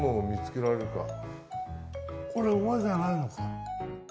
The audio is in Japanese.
これ馬じゃないのか？